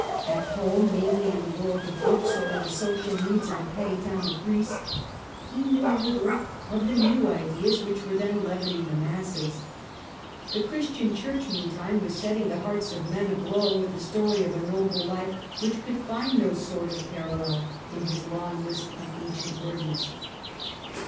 At home mainly in the world of books or in the social moods of a petty town of Greece, he knew little of the new ideas which were then leavening the masses. The Christian church, meantime, was setting the hearts of men aglow with the story of a noble life which could find no sort of parallel in his long list of ancient worthies.